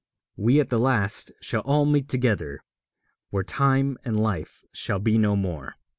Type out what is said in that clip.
We at the last shall all meet together where Time and Life shall be no more.